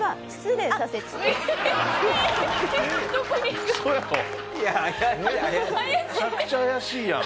めちゃくちゃ怪しいやん。